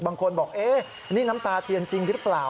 บางคนบอกเอ๊ะนี่น้ำตาเทียนจริงหรือเปล่า